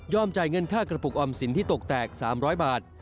จ่ายเงินค่ากระปุกออมสินที่ตกแตก๓๐๐บาท